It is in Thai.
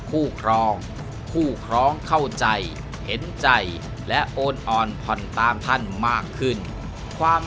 ครองคู่ครองเข้าใจเห็นใจและโอนอ่อนผ่อนตามท่านมากขึ้นความ